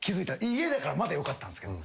家だからまだよかったんすけど。